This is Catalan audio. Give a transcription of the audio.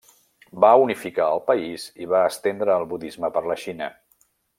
Va unificar el país i va estendre el budisme per la Xina.